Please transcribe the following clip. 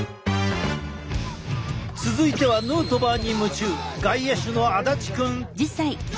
続いてはヌートバーに夢中外野手の足立くん！